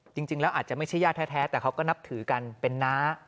จริงแล้วอาจจะไม่ใช่ญาติแท้แต่เขาก็นับถือกันเป็นน้า